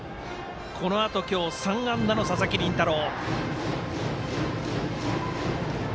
このあと今日３安打の佐々木麟太郎。